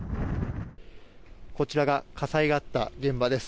こちらが火災があった現場です。